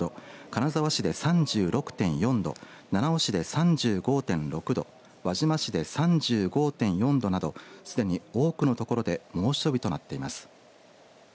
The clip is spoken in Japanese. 金沢市で３６．４度七尾市で３５．６度輪島市で３５．４度などすでに多くの所で猛暑日となっています。